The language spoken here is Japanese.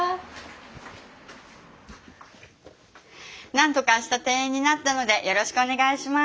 なんとか明日定員になったのでよろしくお願いします。